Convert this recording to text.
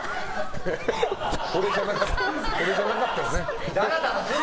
俺じゃなかったね。